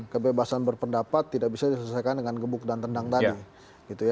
kebebasan berpendapat tidak bisa diselesaikan dengan gebuk dan tendang tadi